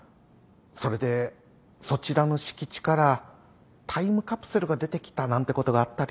それでそちらの敷地からタイムカプセルが出てきたなんてことがあったり。